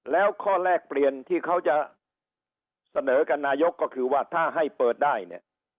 แล้วข้อแรกเปลี่ยนที่เขาจะเสนอกับนายกก็คือว่าถ้าให้เปิดได้เนี่ย